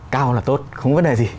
cao là tốt không có vấn đề gì